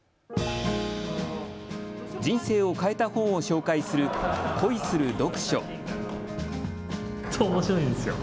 人生を変えた本を紹介する恋する読書。